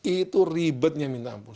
itu ribetnya minta ampun